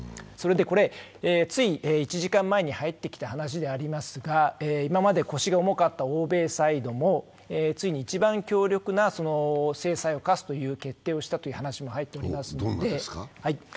それでこれつい１時間前に入ってきた話ですが今まで腰が重かった欧米サイドもついに一番強力な制裁を科すという決定をしたという話も入っております。